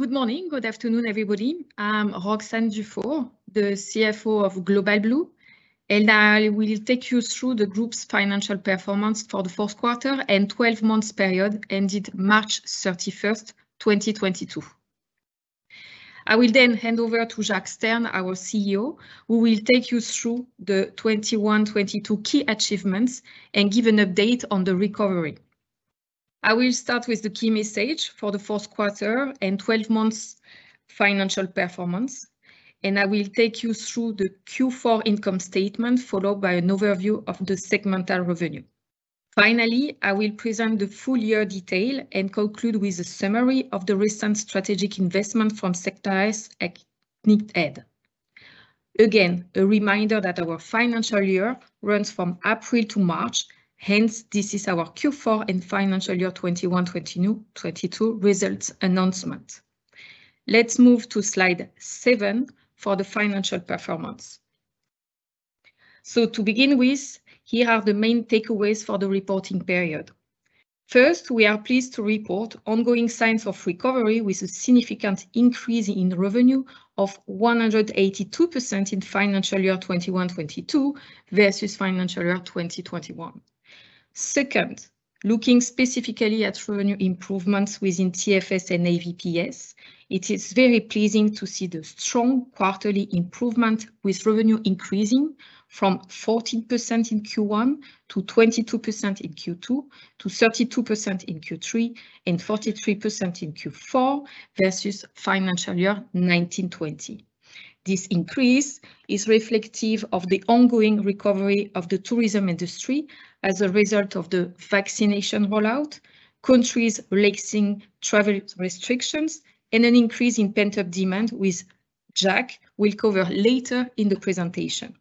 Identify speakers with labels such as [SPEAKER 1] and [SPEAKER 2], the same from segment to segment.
[SPEAKER 1] Good morning, good afternoon, everybody. I'm Roxane Dufour, the CFO of Global Blue, and I will take you through the group's financial performance for the fourth quarter and 12 months period ended March 31st, 2022. I will then hand over to Jacques Stern, our CEO, who will take you through the 2021/2022 key achievements and give an update on the recovery. I will start with the key message for the fourth quarter and 12 months financial performance, and I will take you through the Q4 income statement, followed by an overview of the segmental revenue. Finally, I will present the full year detail and conclude with a summary of the recent strategic investment from Certares and Knighthead. Again, a reminder that our financial year runs from April to March, hence this is our Q4 and financial year 2021-2022 results announcement. Let's move to slide seven for the financial performance. To begin with, here are the main takeaways for the reporting period. First, we are pleased to report ongoing signs of recovery with a significant increase in revenue of 182% in financial year 2021/2022 versus financial year 2021. Second, looking specifically at revenue improvements within TFS and AVPS, it is very pleasing to see the strong quarterly improvement with revenue increasing from 14% in Q1, to 22% in Q2, to 32% in Q3, and 43% in Q4 versus financial year 2019/2020. This increase is reflective of the ongoing recovery of the tourism industry as a result of the vaccination rollout, countries relaxing travel restrictions, and an increase in pent-up demand, which Jacques will cover later in the presentation.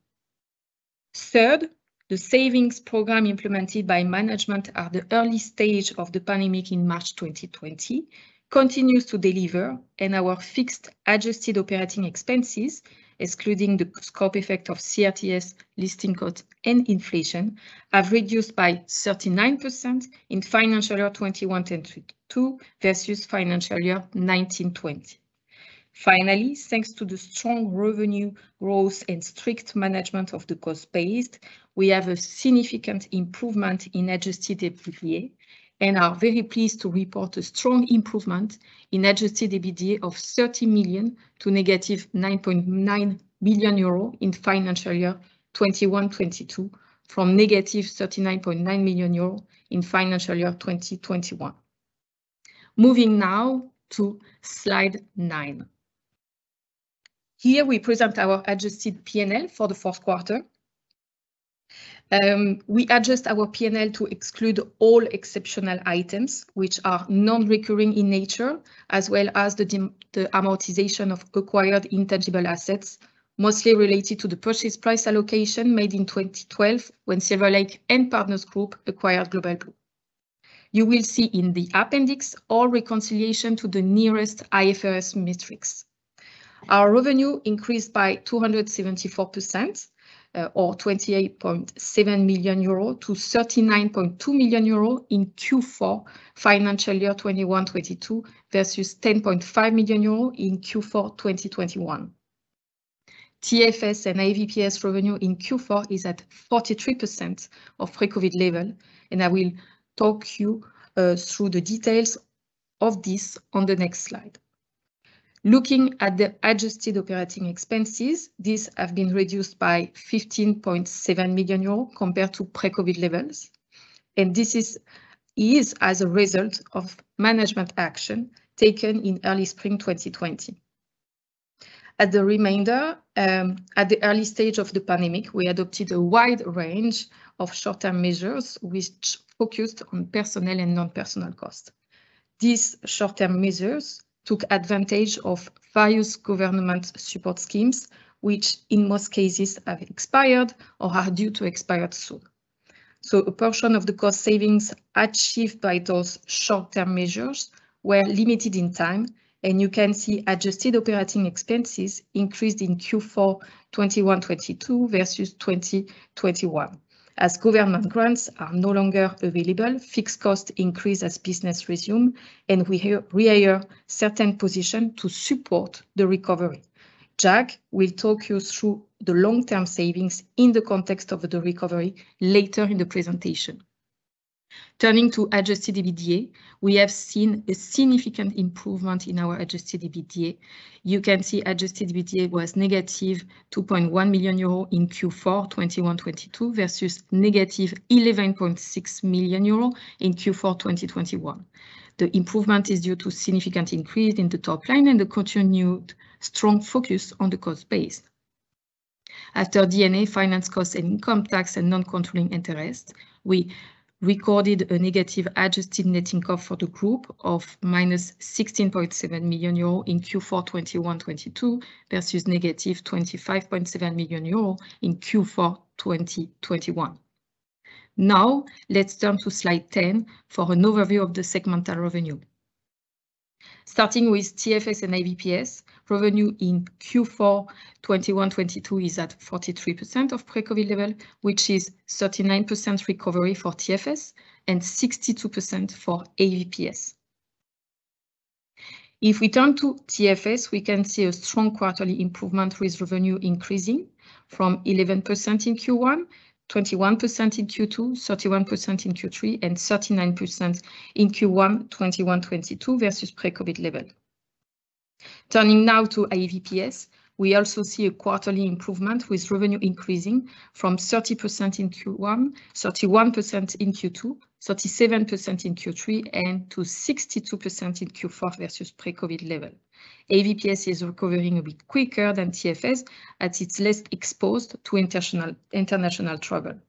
[SPEAKER 1] Third, the savings program implemented by management at the early stage of the pandemic in March 2020 continues to deliver, and our fixed adjusted operating expenses, excluding the scope effect of CRTS listing costs and inflation, have reduced by 39% in financial year 2021/22 versus financial year 2019/2020. Finally, thanks to the strong revenue growth and strict management of the cost base, we have a significant improvement in Adjusted EBITDA and are very pleased to report a strong improvement in Adjusted EBITDA of 30 million to -9.9 million euro in financial year 2021/22 from -39.9 million euro in financial year 2021. Moving now to slide 9. Here we present our adjusted P&L for the fourth quarter. We adjust our P&L to exclude all exceptional items which are non-recurring in nature, as well as the D&A, the amortization of acquired intangible assets, mostly related to the purchase price allocation made in 2012 when Silver Lake and Partners Group acquired Global Blue. You will see in the appendix all reconciliation to the nearest IFRS metrics. Our revenue increased by 274%, or 28.7 million euro to 39.2 million euro in Q4 financial year 2021/2022 versus 10.5 million euro in Q4 2021. TFS and AVPS revenue in Q4 is at 43% of pre-COVID level, and I will talk you through the details of this on the next slide. Looking at the adjusted operating expenses, these have been reduced by 15.7 million euros compared to pre-COVID levels, and this is as a result of management action taken in early spring 2020. At the early stage of the pandemic, we adopted a wide range of short-term measures which focused on personnel and non-personnel costs. These short-term measures took advantage of various government support schemes, which in most cases have expired or are due to expire soon. A portion of the cost savings achieved by those short-term measures were limited in time, and you can see adjusted operating expenses increased in Q4 2021/2022 versus 2021. As government grants are no longer available, fixed costs increase as business resumes, and we rehire certain positions to support the recovery. Jacques will talk you through the long-term savings in the context of the recovery later in the presentation. Turning to Adjusted EBITDA, we have seen a significant improvement in our Adjusted EBITDA. You can see Adjusted EBITDA was -2.1 million euro in Q4 2021/2022 versus -11.6 million euro in Q4 2021. The improvement is due to significant increase in the top line and the continued strong focus on the cost base. After D&A finance costs and income tax and non-controlling interest, we recorded a negative adjusted net income for the group of -16.7 million euro in Q4 2021/2022 versus -25.7 million euro in Q4 2021. Now, let's turn to slide 10 for an overview of the segmental revenue. Starting with TFS and AVPS, revenue in Q4 2021/2022 is at 43% of pre-COVID level, which is 39% recovery for TFS and 62% for AVPS. If we turn to TFS, we can see a strong quarterly improvement with revenue increasing from 11% in Q1, 21% in Q2, 31% in Q3, and 39% in Q1 2021/2022 versus pre-COVID level. Turning now to AVPS, we also see a quarterly improvement with revenue increasing from 30% in Q1, 31% in Q2, 37% in Q3, and to 62% in Q4 versus pre-COVID level. AVPS is recovering a bit quicker than TFS as it's less exposed to international travel.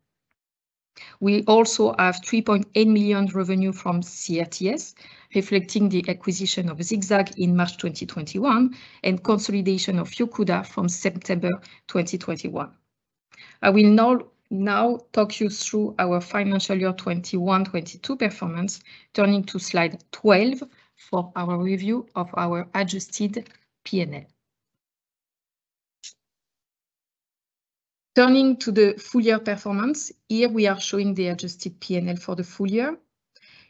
[SPEAKER 1] We also have 3.8 million revenue from CRTS, reflecting the acquisition of ZigZag in March 2021 and consolidation of Yocuda from September 2021. I will now walk you through our financial year 2021-2022 performance, turning to slide 12 for our review of our adjusted P&L. Turning to the full-year performance, here we are showing the adjusted P&L for the full year.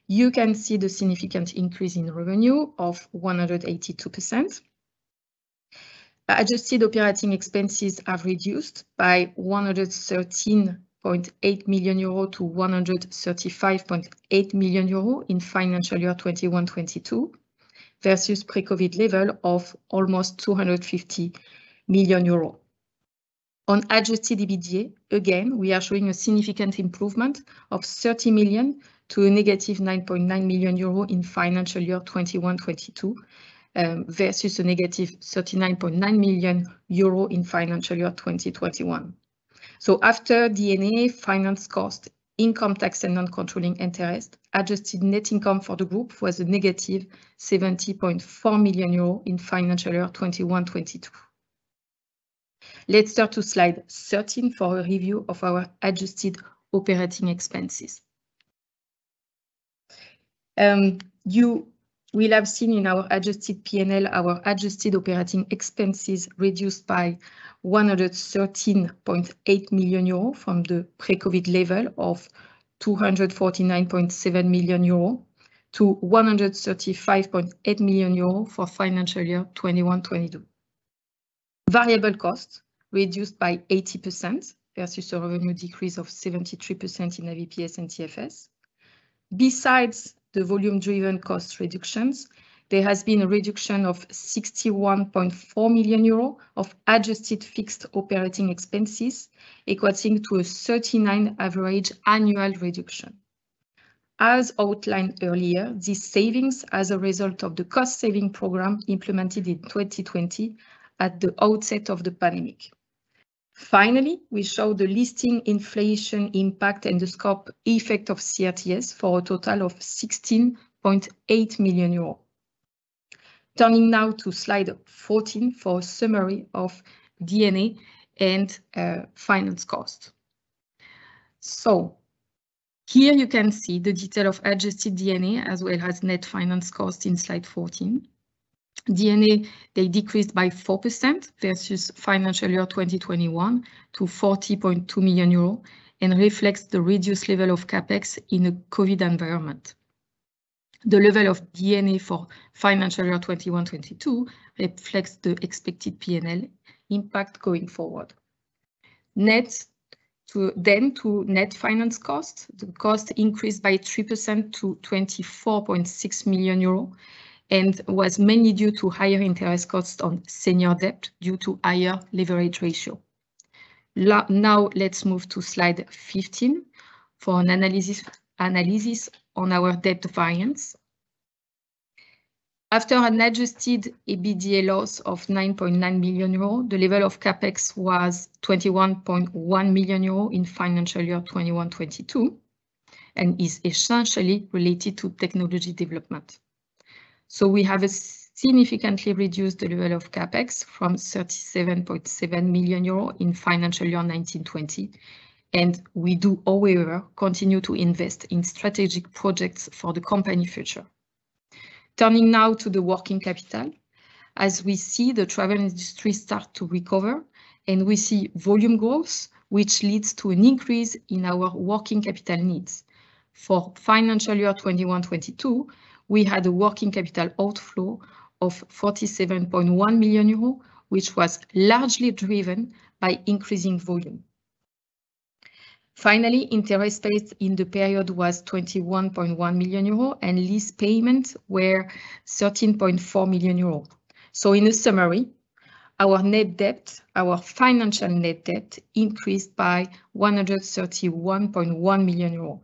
[SPEAKER 1] You can see the significant increase in revenue of 182%. Adjusted operating expenses have reduced by 113.8 million euro to 135.8 million euro in financial year 2021-2022 versus pre-COVID level of almost 250 million euros. On Adjusted EBITDA, again, we are showing a significant improvement of 30 million to -9.9 million euro in financial year 2021-2022 versus -39.9 million euro in financial year 2021. After D&A, finance cost, income tax, and non-controlling interest, adjusted net income for the group was -70.4 million euro in financial year 2021-2022. Let's turn to slide 13 for a review of our adjusted operating expenses. You will have seen in our adjusted P&L our adjusted operating expenses reduced by 113.8 million euro from the pre-COVID level of 249.7 million euro to 135.8 million euro for financial year 2021-22. Variable costs reduced by 80% versus a revenue decrease of 73% in AVPS and TFS. Besides the volume-driven cost reductions, there has been a reduction of 61.4 million euro of adjusted fixed operating expenses, equating to a 39% average annual reduction. As outlined earlier, these savings as a result of the cost-saving program implemented in 2020 at the outset of the pandemic. Finally, we show the listing inflation impact and the scope effect of CRTS for a total of 16.8 million euros. Turning now to slide 14 for a summary of D&A and finance cost. Here you can see the detail of adjusted D&A, as well as net finance cost in slide 14. D&A, they decreased by 4% versus financial year 2021 to 40.2 million euro and reflects the reduced level of CapEx in a COVID environment. The level of D&A for financial year 2021-2022 reflects the expected P&L impact going forward. To net finance costs. The cost increased by 3% to 24.6 million euro and was mainly due to higher interest costs on senior debt due to higher leverage ratio. Now let's move to slide 15 for an analysis on our debt finance. After an Adjusted EBITDA loss of 9.9 million euro, the level of CapEx was 21.1 million euro in financial year 2021-22, and is essentially related to technology development. We have significantly reduced the level of CapEx from 37.7 million euro in financial year 2019-2020, and we do, however, continue to invest in strategic projects for the company future. Turning now to the working capital. As we see the travel industry start to recover and we see volume growth, which leads to an increase in our working capital needs. For financial year 2021-2022, we had a working capital outflow of 47.1 million euro, which was largely driven by increasing volume. Finally, interest paid in the period was 21.1 million euro, and lease payments were 13.4 million euro. In summary, our net debt, our financial net debt increased by 131.1 million euros.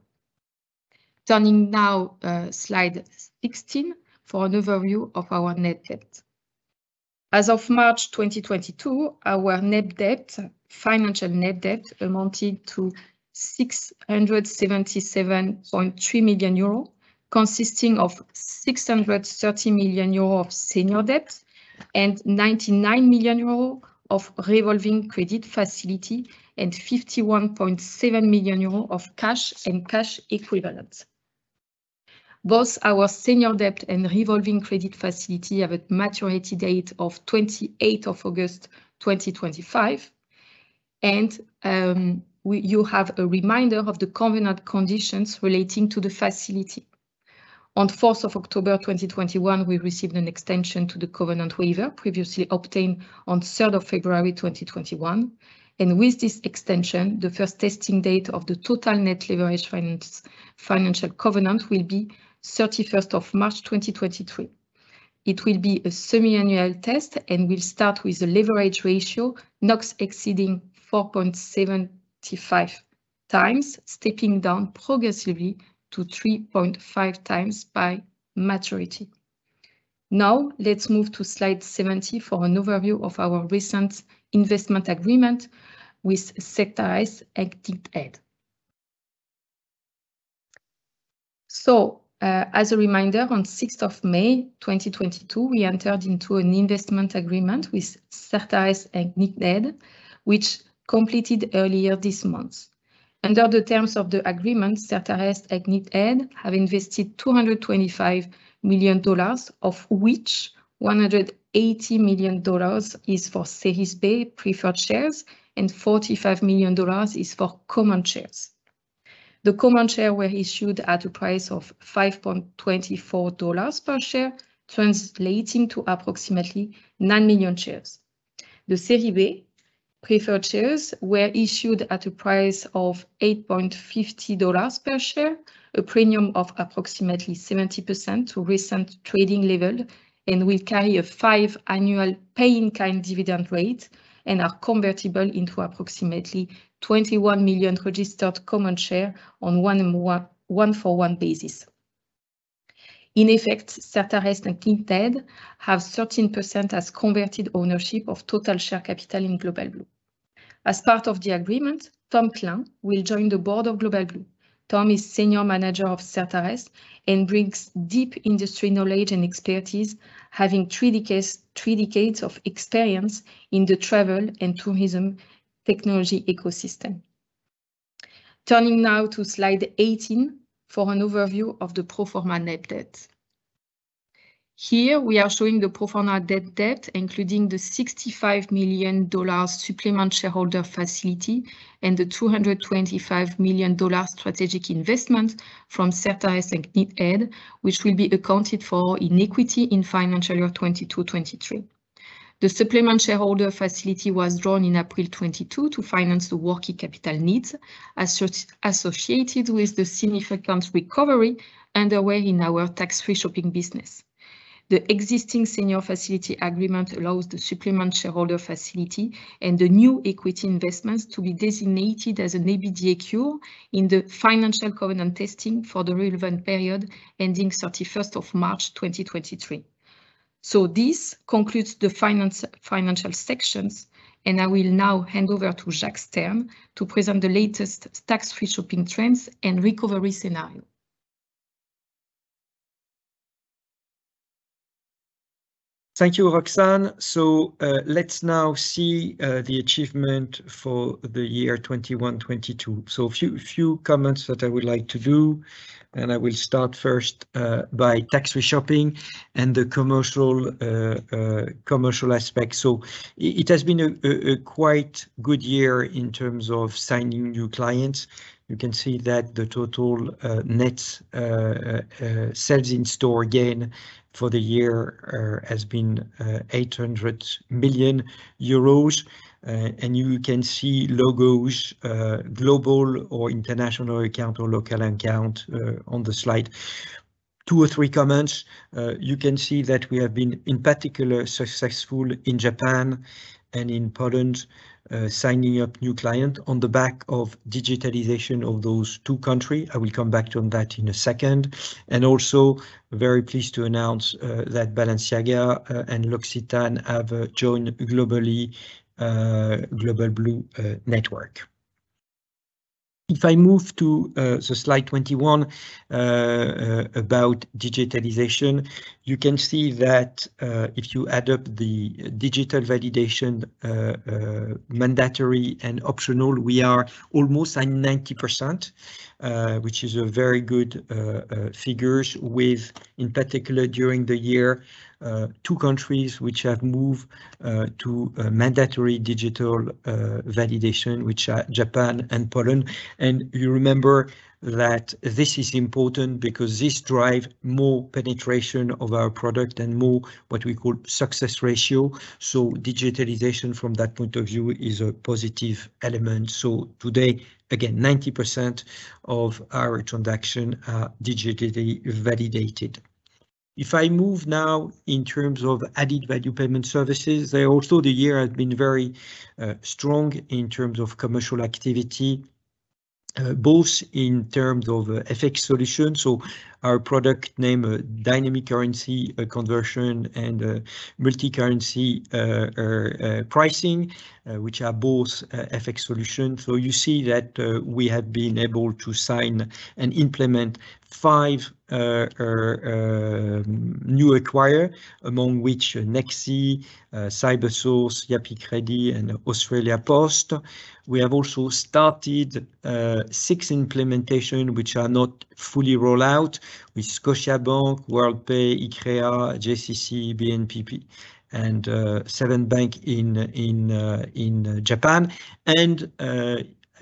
[SPEAKER 1] Turning now, slide 16 for an overview of our net debt. As of March 2022, our net debt, financial net debt amounted to 677.3 million euro, consisting of 630 million euro of senior debt and 99 million euro of revolving credit facility and 51.7 million euro of cash and cash equivalents. Both our senior debt and revolving credit facility have a maturity date of 28th August 2025. You have a reminder of the covenant conditions relating to the facility. On 4rth October 2021, we received an extension to the covenant waiver previously obtained on 3rd February 2021. With this extension, the first testing date of the total net leverage financial covenant will be 31 March 2023. It will be a semi-annual test and will start with a leverage ratio not exceeding 4.75x, stepping down progressively to 3.5x by maturity. Now, let's move to slide 17 for an overview of our recent investment agreement with Certares and Knighthead. As a reminder, on 6th May 2022, we entered into an investment agreement with Certares and Knighthead, which completed earlier this month. Under the terms of the agreement, Certares, Knighthead have invested $225 million of which $180 million is for Series B preferred shares and $45 million is for common shares. The common shares were issued at a price of $5.24 per share, translating to approximately 9 million shares. The Series B preferred shares were issued at a price of $8.50 per share, a premium of approximately 70% to recent trading level, and will carry a 5% annual pay-in-kind dividend rate and are convertible into approximately 21 million registered common shares on a one-for-one basis. In effect, Certares and Knighthead have 13% as converted ownership of total share capital in Global Blue. As part of the agreement, Tom Klein will join the board of Global Blue. Tom is Senior Manager of Certares and brings deep industry knowledge and expertise, having three decades of experience in the travel and tourism technology ecosystem. Turning now to slide 18 for an overview of the pro forma net debt. Here we are showing the pro forma net debt, including the $65 million supplemental shareholder facility and the $225 million strategic investment from Certares and Knighthead, which will be accounted for in equity in financial year 2022-2023. The supplemental shareholder facility was drawn in April 2022 to finance the working capital needs associated with the significant recovery underway in our tax-free shopping business. The existing Senior Facility Agreement allows the supplemental shareholder facility and the new equity investments to be added back to EBITDA in the financial covenant testing for the relevant period ending 31st March 2023. This concludes the financial sections, and I will now hand over to Jacques Stern to present the latest Tax Free Shopping trends and recovery scenario.
[SPEAKER 2] Thank you, Roxane. Let's now see the achievement for the year 2021-2022. A few comments that I would like to do, and I will start first by Tax Free Shopping and the commercial aspect. It has been a quite good year in terms of signing new clients. You can see that the total net sales in-store gain for the year has been 800 million euros. And you can see logos, Global or international account or local account, on the slide. Two or three comments. You can see that we have been in particular successful in Japan and in Poland, signing up new client on the back of digitalization of those two country. I will come back to that in a second. Also very pleased to announce that Balenciaga and L'Occitane have joined the Global Blue network. If I move to the slide 21 about digitalization, you can see that if you add up the digital validation mandatory and optional, we are almost at 90%, which is a very good figures with in particular during the year two countries which have moved to mandatory digital validation, which are Japan and Poland. You remember that this is important because this drive more penetration of our product and more what we call success ratio. Digitalization from that point of view is a positive element. Today again 90% of our transaction are digitally validated. If I move now in terms of added value payment services, the year has been very strong in terms of commercial activity, both in terms of FX solution, so our product name, Dynamic Currency Conversion and Multi-Currency Pricing, which are both FX solution. You see that we have been able to sign and implement five new acquirer, among which Nexi, Cybersource, Yapı Kredi, and Australia Post. We have also started six implementation which are not fully roll out with Scotiabank, Worldpay, ICREA, JCC, BNP Paribas and Seven Bank in Japan.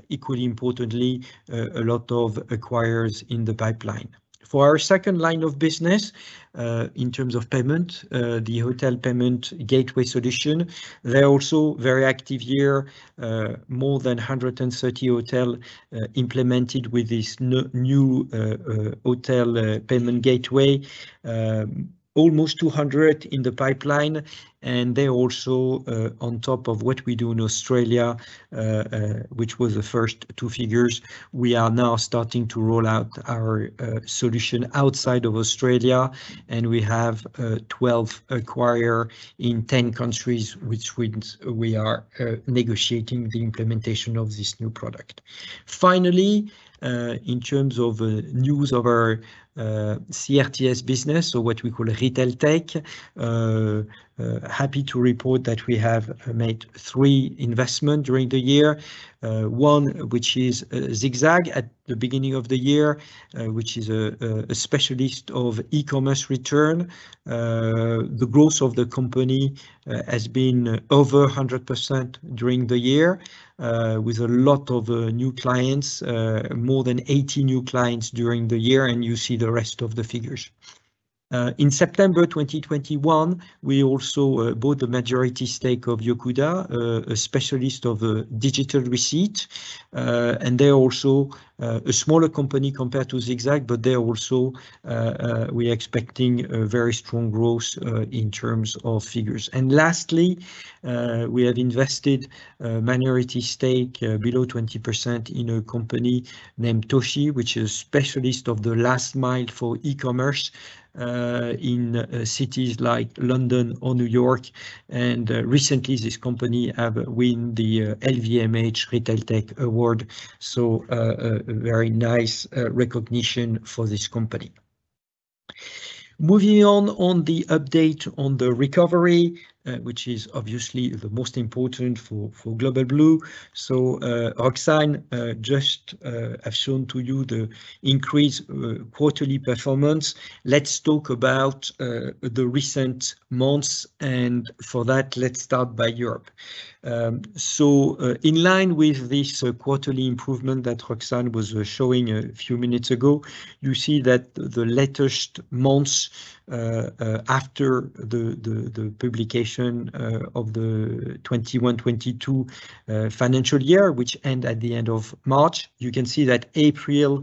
[SPEAKER 2] Equally importantly, a lot of acquirers in the pipeline. For our second line of business in terms of payment, the hotel payment gateway solution, they are also very active here. More than 130 hotels implemented with this new hotel payment gateway. Almost 200 in the pipeline, and they also on top of what we do in Australia, which was the first two figures, we are now starting to roll out our solution outside of Australia, and we have 12 acquirers in 10 countries, which we are negotiating the implementation of this new product. Finally, in terms of news of our CRTS business, so what we call Retail Tech, happy to report that we have made three investments during the year. One which is ZigZag at the beginning of the year, which is a specialist of e-commerce returns. The growth of the company has been over 100% during the year, with a lot of new clients, more than 80 new clients during the year, and you see the rest of the figures. In September 2021, we also bought the majority stake of Yocuda, a specialist of digital receipt. They're also a smaller company compared to ZigZag. We're expecting a very strong growth in terms of figures. Lastly, we have invested a minority stake below 20% in a company named Toshi, which is specialist of the last mile for e-commerce in cities like London or New York. Recently this company have win the LVMH Retail Tech Award, so a very nice recognition for this company. Moving on the update on the recovery, which is obviously the most important for Global Blue. Roxane just have shown to you the increased quarterly performance. Let's talk about the recent months, and for that, let's start by Europe. In line with this quarterly improvement that Roxane was showing a few minutes ago, you see that the latest months after the publication of the 2021-2022 financial year, which end at the end of March, you can see that April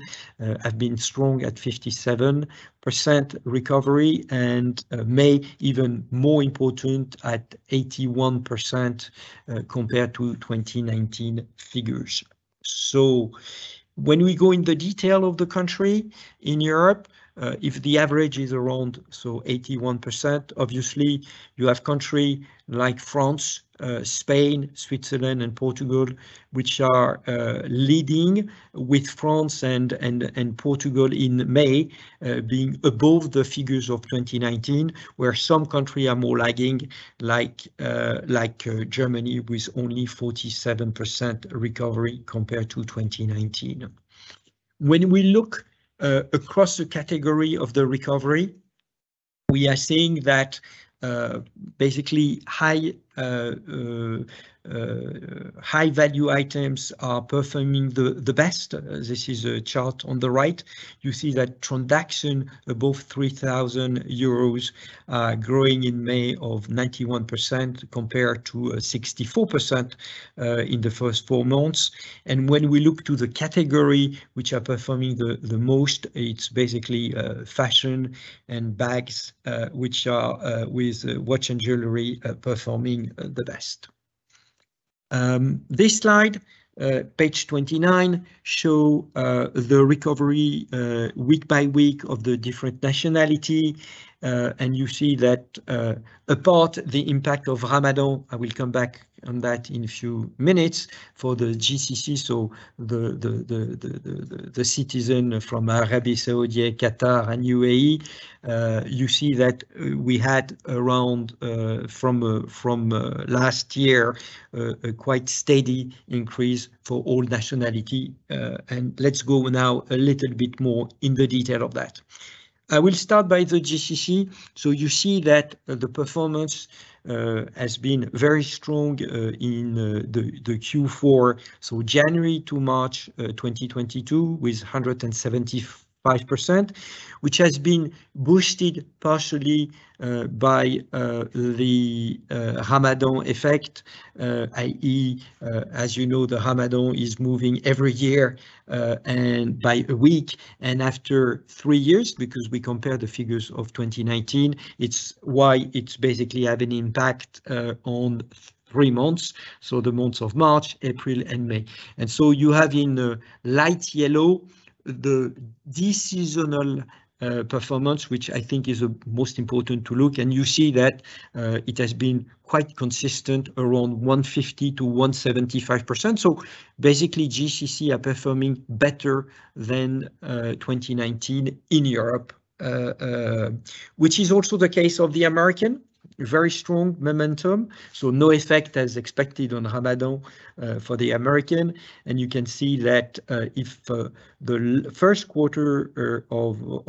[SPEAKER 2] have been strong at 57% recovery, and May even more important at 81% compared to 2019 figures. When we go into the details of the countries in Europe, if the average is around 81%, obviously you have countries like France, Spain, Switzerland and Portugal, which are leading with France and Portugal in May being above the figures of 2019, where some countries are more lagging like Germany with only 47% recovery compared to 2019. When we look across the categories of the recovery, we are seeing that basically high value items are performing the best. This is a chart on the right. You see that transactions above 3,000 euros are growing in May 91% compared to 64% in the first four months. When we look to the category which are performing the most, it's basically fashion and bags, which are with watch and jewelry performing the best. This slide, page 29, shows the recovery week by week of the different nationalities. You see that, apart from the impact of Ramadan, I will come back on that in a few minutes, for the GCC, so the citizens from Saudi Arabia, Qatar and UAE, you see that we had around from last year a quite steady increase for all nationalities. Let's go now a little bit more in the detail of that. I will start by the GCC. You see that the performance has been very strong in the Q4, so January to March 2022, with 175%, which has been boosted partially by the Ramadan effect. i.e., as you know, the Ramadan is moving every year and by a week and after three years, because we compare the figures of 2019, it's why it's basically have an impact on three months, so the months of March, April and May. You have in light yellow the deseasonal performance, which I think is the most important to look. You see that it has been quite consistent around 150%-175%. Basically, GCC are performing better than 2019 in Europe, which is also the case of the Americas. Very strong momentum, so no effect as expected on Ramadan for the Americas. You can see that the first quarter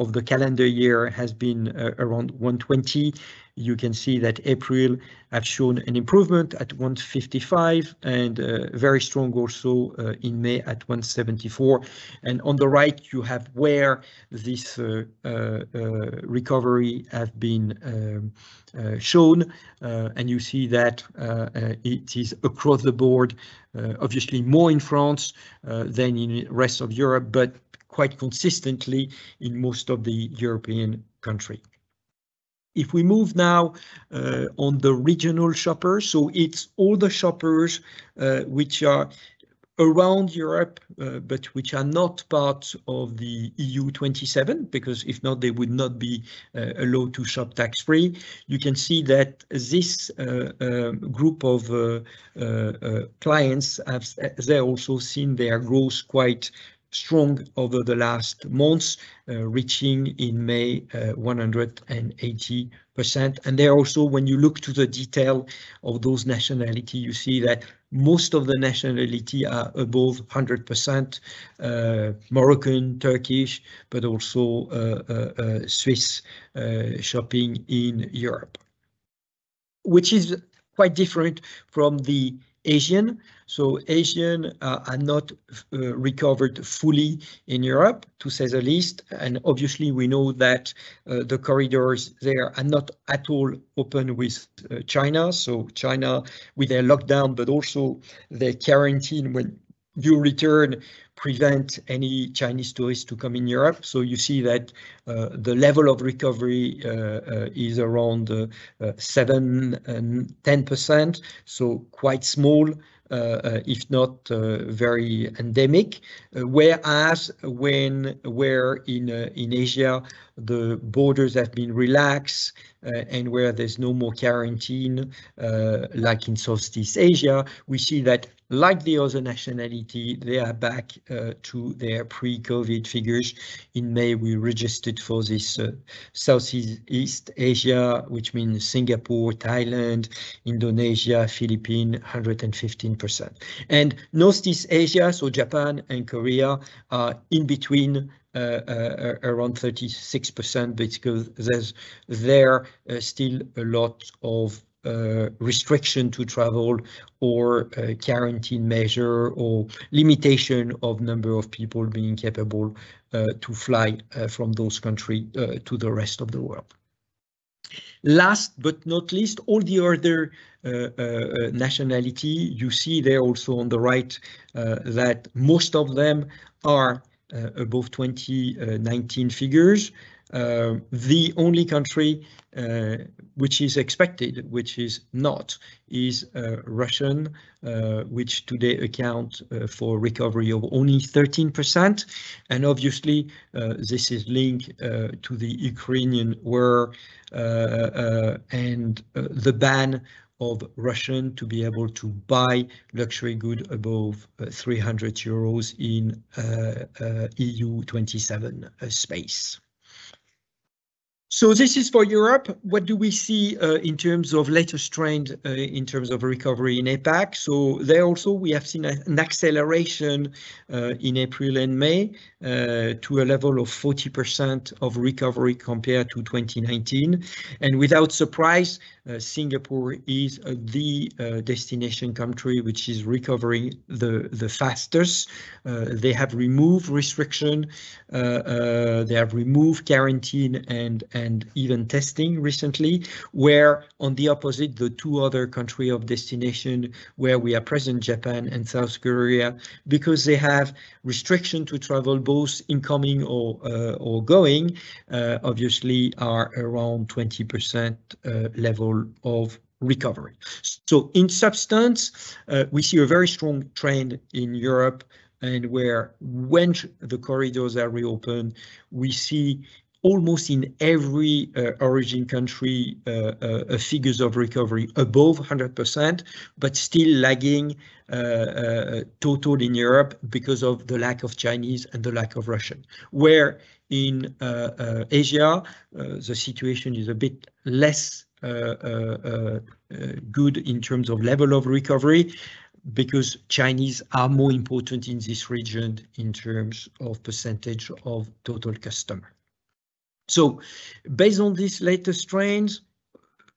[SPEAKER 2] of the calendar year has been around 120. You can see that April has shown an improvement at 155, and very strong also in May at 174. On the right you have where this recovery has been shown. You see that it is across the board, obviously more in France than in the rest of Europe, but quite consistently in most of the European countries. If we move now on the regional shoppers, it's all the shoppers which are around Europe but which are not part of the EU-27, because if not, they would not be allowed to shop tax-free. You can see that this group of clients. They're also seeing their growth quite strong over the last months, reaching in May 180%. They're also, when you look to the detail of those nationality, you see that most of the nationality are above 100%, Moroccan, Turkish, but also Swiss shopping in Europe. Which is quite different from the Asian. Asian are not recovered fully in Europe, to say the least. Obviously we know that the corridors there are not at all open with China. China with their lockdown, but also their quarantine when you return, prevent any Chinese tourists to come in Europe. You see that the level of recovery is around 7%-10%, so quite small, if not very anemic. Whereas when we're in Asia, the borders have been relaxed, and where there's no more quarantine, like in Southeast Asia, we see that, like the other nationality, they are back to their pre-COVID figures. In May, we registered for this Southeast Asia, which means Singapore, Thailand, Indonesia, Philippines, 115%. Northeast Asia, so Japan and Korea, are in between, around 36%, basically there are still a lot of restriction to travel or quarantine measure or limitation of number of people being capable to fly from those country to the rest of the world. Last but not least, all the other nationality, you see there also on the right, that most of them are above 2019 figures. The only country which is expected, which is not, is Russia, which today accounts for recovery of only 13%. Obviously this is linked to the Ukrainian war and the ban of Russian to be able to buy luxury good above 300 euros in EU-27 space. This is for Europe. What do we see in terms of latest trend in terms of recovery in APAC? There also we have seen an acceleration in April and May to a level of 40% of recovery compared to 2019. Without surprise, Singapore is the destination country which is recovering the fastest. They have removed restriction, they have removed quarantine and even testing recently. Where on the opposite, the two other country of destination where we are present, Japan and South Korea, because they have restriction to travel, both incoming or going obviously are around 20% level of recovery. In substance, we see a very strong trend in Europe and where, when the corridors are reopened, we see almost in every origin country figures of recovery above 100%, but still lagging total in Europe because of the lack of Chinese and the lack of Russian. Whereas in Asia the situation is a bit less good in terms of level of recovery because Chinese are more important in this region in terms of percentage of total customer. Based on this latest trends,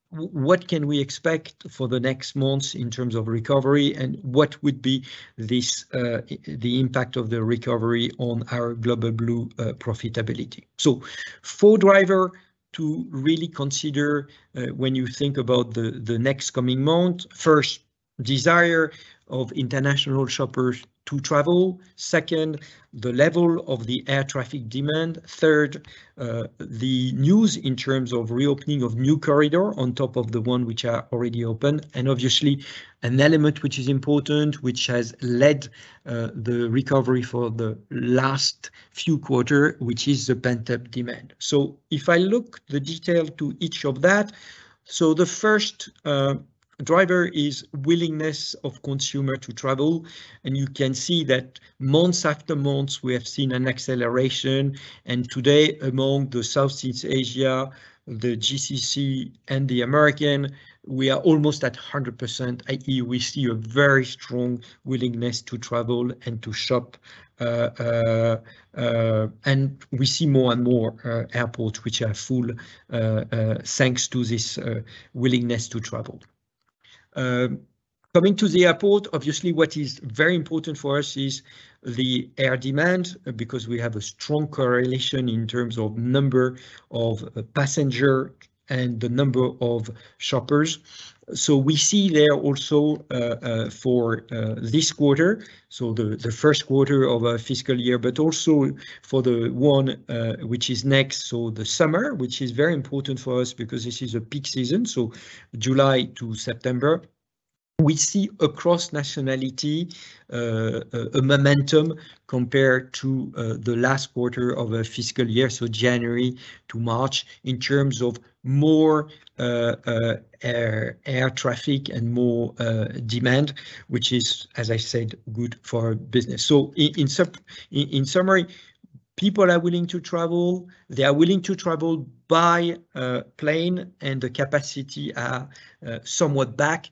[SPEAKER 2] what can we expect for the next months in terms of recovery, and what would be this the impact of the recovery on our Global Blue profitability? Four driver to really consider when you think about the next coming month. First, desire of international shoppers to travel. Second, the level of the air traffic demand. Third, the news in terms of reopening of new corridor on top of the one which are already open. Obviously, an element which is important, which has led the recovery for the last few quarters, which is the pent-up demand. If I look in detail at each of those, the first driver is willingness of consumers to travel, and you can see that month after month we have seen an acceleration. Today among Southeast Asia, the GCC, and the Americas, we are almost at 100%, i.e., we see a very strong willingness to travel and to shop. We see more and more airports which are full, thanks to this willingness to travel. Coming to the airport, obviously what is very important for us is the air demand because we have a strong correlation in terms of number of passenger and the number of shoppers. We see there also for this quarter, so the first quarter of our fiscal year, but also for the one which is next, so the summer, which is very important for us because this is a peak season, so July to September. We see across nationality a momentum compared to the last quarter of a fiscal year, so January to March, in terms of more air traffic and more demand, which is, as I said, good for business. In summary, people are willing to travel. They are willing to travel by plane and the capacities are somewhat back.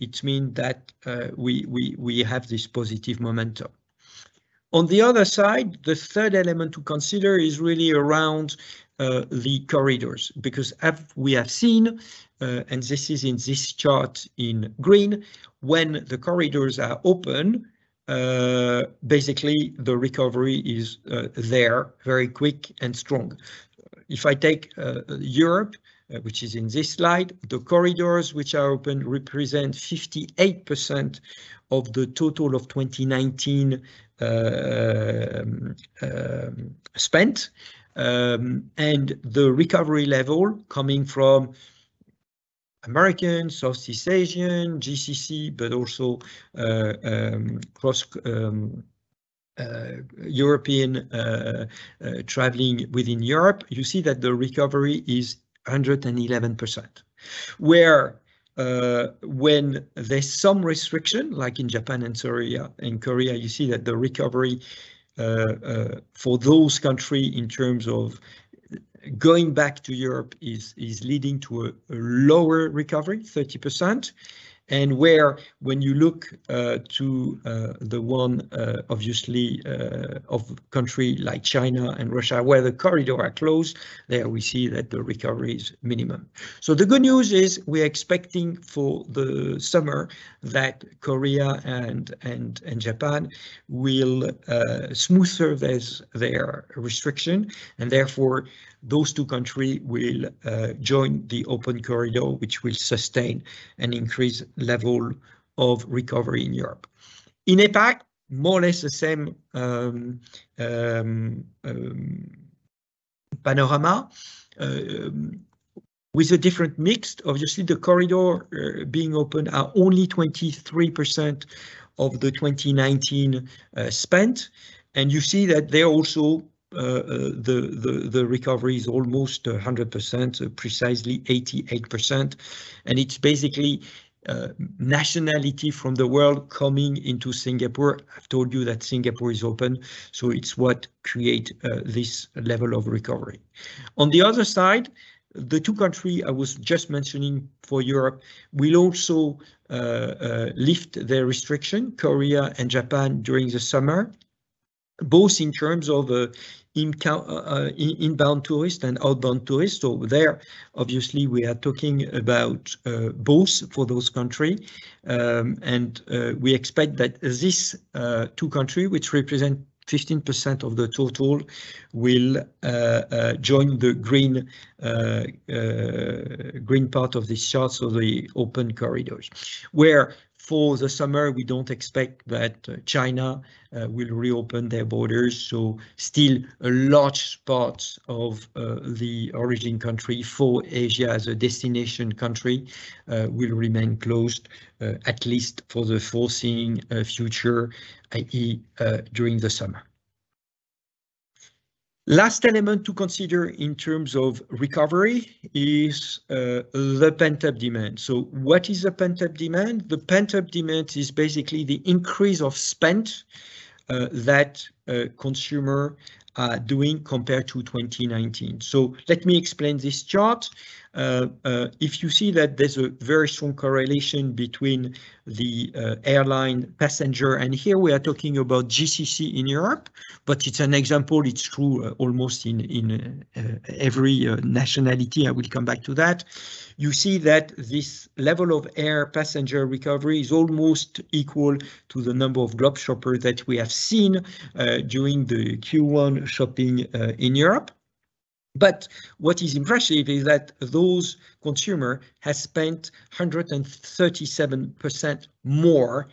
[SPEAKER 2] It means that we have this positive momentum. On the other side, the third element to consider is really around the corridors because we have seen and this is in this chart in green, when the corridors are open, basically the recovery is there, very quick and strong. If I take Europe, which is in this slide, the corridors which are open represent 58% of the total of 2019 spend. The recovery level coming from Americans, Southeast Asians, GCC, but also cross-European traveling within Europe, you see that the recovery is 111%. When there's some restriction, like in Japan and South Korea, you see that the recovery for those countries in terms of going back to Europe is leading to a lower recovery, 30%. Where, when you look to the ones, obviously, of countries like China and Russia, where the corridors are closed, there we see that the recovery is minimum. The good news is we're expecting for the summer that Korea and Japan will smooth their restrictions, and therefore, those two countries will join the open corridor, which will sustain an increased level of recovery in Europe. In APAC, more or less the same panorama with a different mix. Obviously, the corridors being open are only 23% of the 2019 spend. You see that they also, the recovery is almost 100%, precisely 88%. It's basically, nationality from the world coming into Singapore. I've told you that Singapore is open, so it's what create this level of recovery. On the other side, the two country I was just mentioning for Europe will also lift their restriction, Korea and Japan, during the summer, both in terms of inbound tourist and outbound tourist. There, obviously, we are talking about both for those country. We expect that this two country, which represent 15% of the total, will join the green part of this chart, so the open corridors. Whereas for the summer we don't expect that China will reopen their borders, so still a large part of the origin country for Asia as a destination country will remain closed, at least for the foreseeable future, i.e., during the summer. Last element to consider in terms of recovery is the pent-up demand. What is the pent-up demand? The pent-up demand is basically the increase in spend that consumers are doing compared to 2019. Let me explain this chart. If you see that there's a very strong correlation between the airline passengers, and here we are talking about GCC in Europe, but it's an example. It's true almost in every nationality. I will come back to that. You see that this level of air passenger recovery is almost equal to the number of globe shoppers that we have seen during the Q1 shopping in Europe. What is impressive is that those consumers have spent 137% more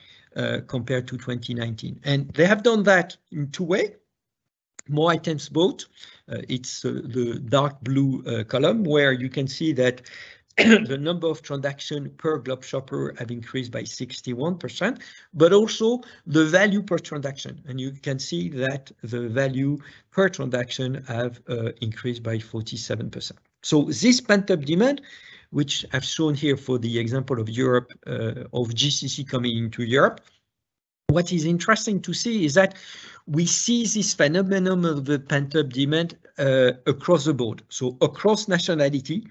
[SPEAKER 2] compared to 2019. They have done that in two ways. More items bought, it's the dark blue column, where you can see that the number of transactions per globe shopper have increased by 61%, but also the value per transaction, and you can see that the value per transaction have increased by 47%. This pent-up demand, which I've shown here for the example of Europe, of GCC coming into Europe. What is interesting to see is that we see this phenomenon of the pent-up demand, across the board, so across nationality,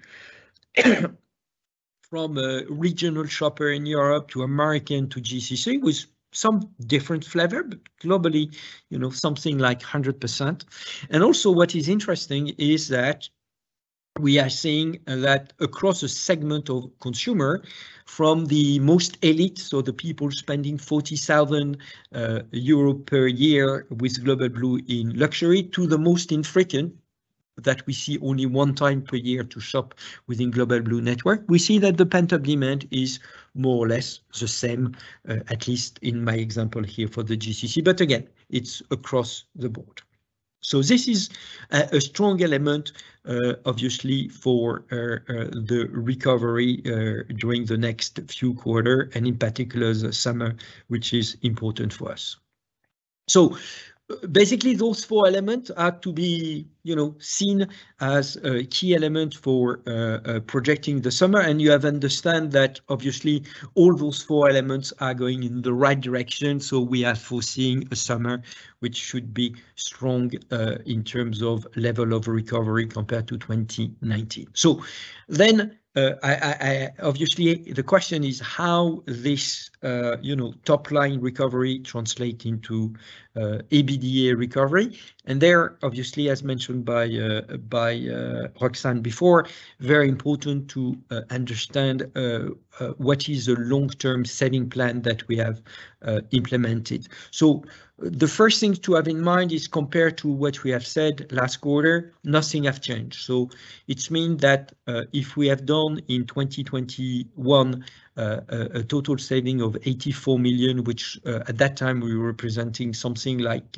[SPEAKER 2] from a regional shopper in Europe to American to GCC, with some different flavor, but globally, you know, something like 100%. Also what is interesting is that we are seeing that across a segment of consumer from the most elite, so the people spending 47 euro per year with Global Blue in luxury, to the most infrequent, that we see only one time per year to shop within Global Blue network. We see that the pent-up demand is more or less the same, at least in my example here for the GCC, but again, it's across the board. This is a strong element obviously for the recovery during the next few quarter and in particular the summer, which is important for us. Basically, those four elements are to be, you know, seen as a key element for projecting the summer. You have to understand that obviously all those four elements are going in the right direction, so we are foreseeing a summer which should be strong in terms of level of recovery compared to 2019. Obviously the question is how this, you know, top-line recovery translate into EBITDA recovery. There, obviously, as mentioned by Roxane before, very important to understand what is a long-term saving plan that we have implemented. The first thing to have in mind is, compared to what we have said last quarter, nothing have changed. It mean that if we have done in 2021 a total saving of 84 million, which at that time we were presenting something like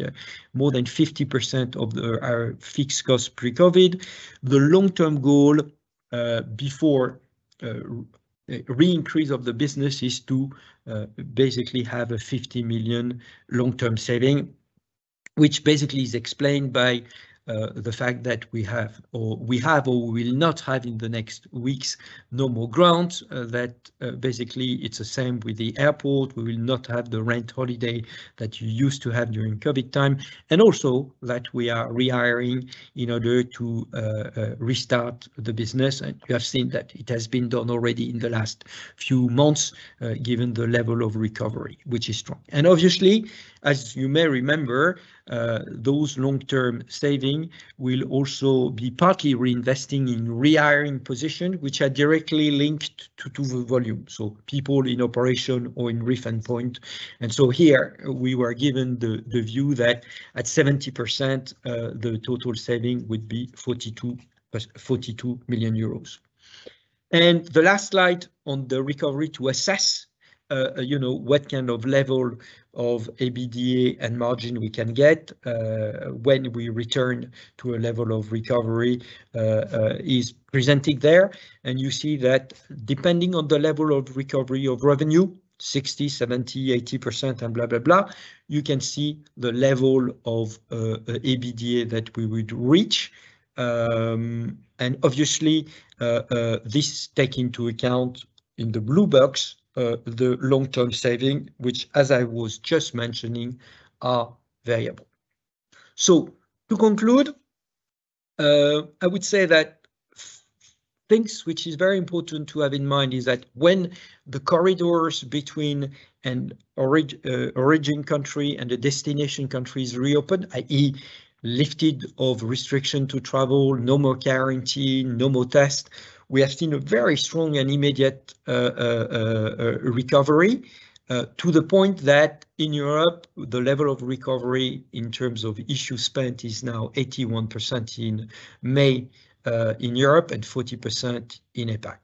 [SPEAKER 2] more than 50% of our fixed cost pre-COVID. The long-term goal before re-increase of the business is to basically have a 50 million long-term saving, which basically is explained by the fact that we have or we will not have in the next weeks no more grants. That basically it's the same with the airport. We will not have the rent holiday that you used to have during COVID time. Also that we are rehiring in order to restart the business. You have seen that it has been done already in the last few months, given the level of recovery, which is strong. Obviously, as you may remember, those long-term savings will also be partly reinvested in rehiring positions, which are directly linked to the volume. People in operations or in refund points. Here we were given the view that at 70%, the total savings would be 42 million euros. The last slide on the recovery to assess what kind of level of EBITDA and margin we can get when we return to a level of recovery is presented there. You see that depending on the level of recovery of revenue, 60%, 70%, 80% and blah, blah, you can see the level of EBITDA that we would reach. Obviously, this takes into account in the blue box the long-term savings, which as I was just mentioning, are variable. To conclude, I would say that the thing which is very important to have in mind is that when the corridors between an origin country and the destination countries reopen, i.e., lifting of restrictions to travel, no more quarantine, no more tests, we have seen a very strong and immediate recovery to the point that in Europe, the level of recovery in terms of spend is now 81% in May in Europe and 40% in APAC.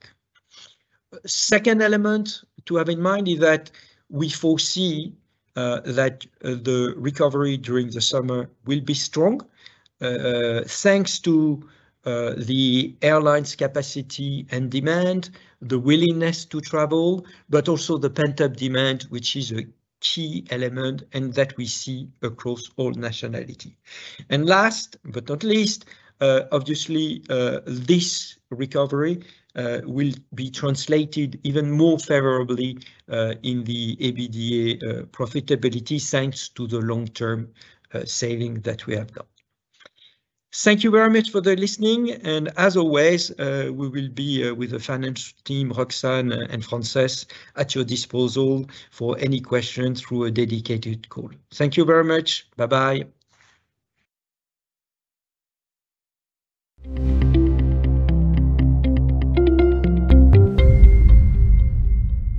[SPEAKER 2] Second element to have in mind is that we foresee that the recovery during the summer will be strong, thanks to the airlines' capacity and demand, the willingness to travel, but also the pent-up demand, which is a key element and that we see across all nationalities. Last but not least, obviously, this recovery will be translated even more favorably in the EBITDA profitability thanks to the long-term savings that we have done. Thank you very much for listening, and as always, we will be with the finance team, Roxane and Frances, at your disposal for any questions through a dedicated call. Thank you very much. Bye-bye.